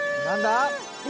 何だ？